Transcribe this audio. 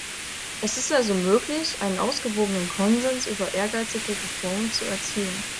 Es ist also möglich, einen ausgewogenen Konsens über ehrgeizige Reformen zu erzielen.